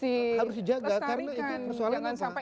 harus dijaga karena itu persoalan apa